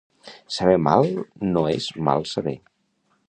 Saber mal no és mal saber.